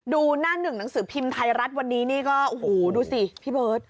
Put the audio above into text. หน้าหนึ่งหนังสือพิมพ์ไทยรัฐวันนี้นี่ก็โอ้โหดูสิพี่เบิร์ต